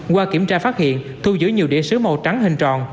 qua kiểm tra phát hiện thu giữ nhiều đĩa sứ màu trắng hình tròn